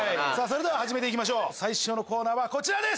始めて行きましょう最初のコーナーはこちらです！